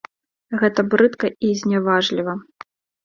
Гэта брыдка і зняважліва.